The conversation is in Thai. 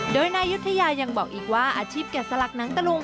โดยนายุธยายังบอกอีกว่าอาชีพนี้